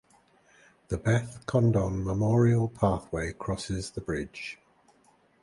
The Beth Condon Memorial Pathway crosses the bridge.